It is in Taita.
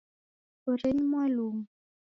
Korenyi mwalumu.